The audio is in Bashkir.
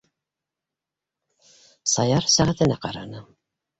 - Саяр сәғәтенә ҡараны.